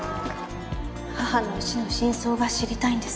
母の死の真相が知りたいんです。